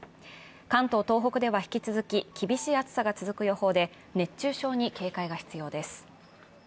関東・東北では引き続き、厳しい暑さが続く予報で熱中症に警戒が必要です。